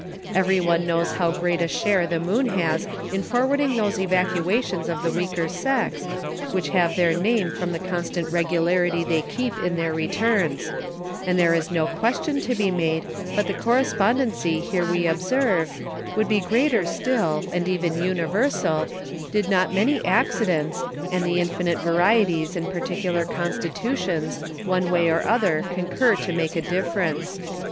Every one knows how great a share the Moon has in forwarding those Evacuations of the weaker Sex, which have their Name from the constant Regularity they keep in their Returns; and there is no question to be made, but the Correspondency we here observe, would be greater still, and even Universal, did not many Accidents, and the infinite Varieties in particular Constitutions one way or other concur to make a difference.